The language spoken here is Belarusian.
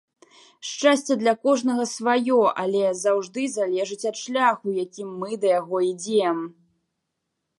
Шчасце для кожнага сваё, але заўжды залежыць ад шляху, якім мы да яго ідзём.